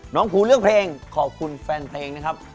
ครูเลือกเพลงขอบคุณแฟนเพลงนะครับ